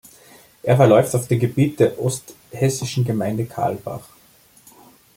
Er verläuft auf dem Gebiet der osthessischen Gemeinde Kalbach.